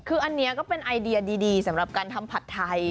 คืออันนี้ก็เป็นไอเดียดีสำหรับการทำผัดไทย